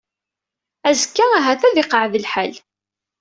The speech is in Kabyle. Azekka ahat ad iqeɛɛed lḥal.